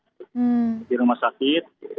berapa mungkin yang luka berat atau mungkin yang berat ya